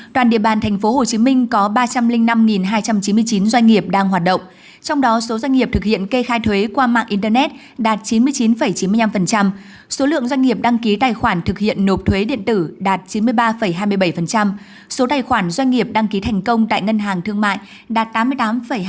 số tài khoản doanh nghiệp đăng ký thành công tại ngân hàng thương mại đạt tám mươi tám hai mươi hai